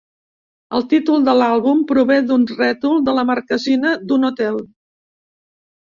El títol de l'àlbum prové d'un rètol de la marquesina d'un hotel.